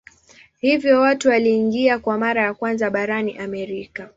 Hivyo watu waliingia kwa mara ya kwanza barani Amerika.